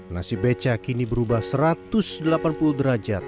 nasi beca kini berubah satu ratus delapan puluh derajat